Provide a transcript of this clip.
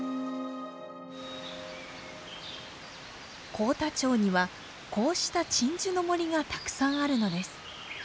幸田町にはこうした鎮守の森がたくさんあるのです。